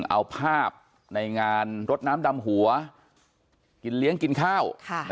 เอาภาพในงานรดน้ำดำหัวกินเลี้ยงกินข้าว